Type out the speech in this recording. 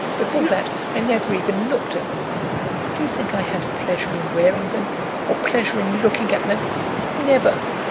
Before that I never even looked at them. Do you think I had pleasure in wearing them, or pleasure in looking at them? Never.